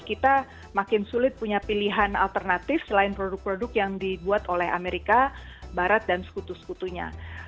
kita makin sulit punya pilihan alternatif selain produk produk yang dibuat oleh amerika barat dan sekutu sekutunya